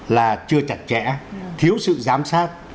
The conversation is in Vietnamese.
là chưa chặt chẽ thiếu sự giám sát